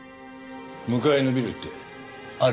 向かいのビルってあれか。